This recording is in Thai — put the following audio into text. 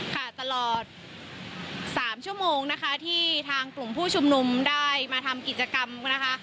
ค่ะตลอด๓ชั่วโมงนะคะที่ทางกลุ่มผู้ชุมนุมได้มาทำกิจกรรมนะคะ